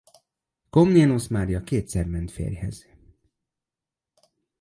Komnénosz Mária kétszer ment férjhez.